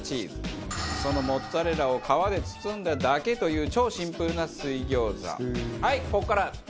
そのモッツァレラを皮で包んだだけという超シンプルな水餃子。